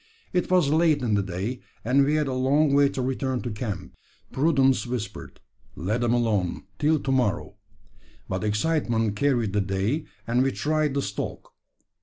It was late in the day, and we had a long way to return to camp. Prudence whispered, "Let them alone till to morrow," but excitement carried the day, and we tried the stalk.